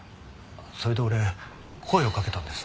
それで俺声をかけたんです。